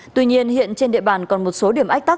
tuy nhiên hiện trên địa bàn còn một số điểm ách tắc